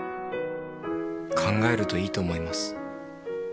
「考えるといいと思います」